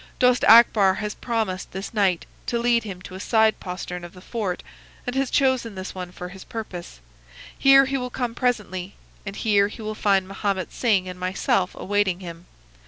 Dost Akbar has promised this night to lead him to a side postern of the fort, and has chosen this one for his purpose. Here he will come presently, and here he will find Mahomet Singh and myself awaiting him.